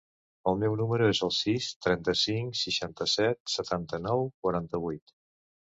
El meu número es el sis, trenta-cinc, seixanta-set, setanta-nou, quaranta-vuit.